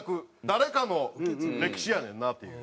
誰かの歴史やねんなっていう。